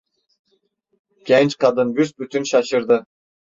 Genç kadın büsbütün şaşırdı.